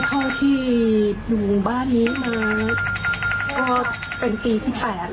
ก็พอที่ดูบ้านนี้มาก็เป็นปีที่แปด